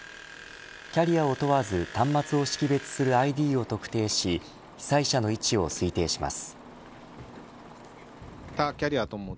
キャリアを問わず端末を識別するＩＤを特定し被災者の位置を推定します。